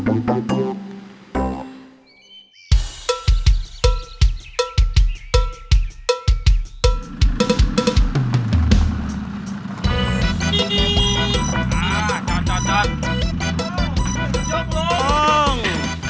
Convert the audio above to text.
ยกลง